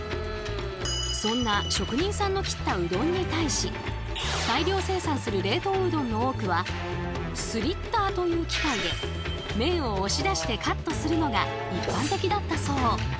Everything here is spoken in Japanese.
そんな職人さんの切ったうどんに対しスリッターという機械で麺を押し出してカットするのが一般的だったそう。